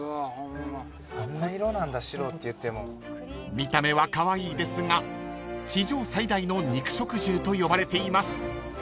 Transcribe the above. ［見た目はカワイイですが地上最大の肉食獣と呼ばれています］